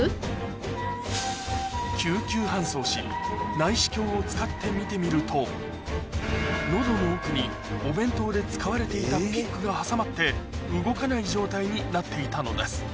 内視鏡を使って見てみると喉の奥にお弁当で使われていたピックが挟まって動かない状態になっていたのです